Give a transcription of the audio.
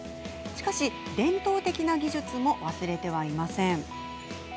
しかし、伝統的な技術も忘れてはいません。